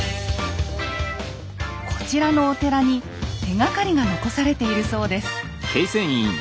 こちらのお寺に手がかりが残されているそうです。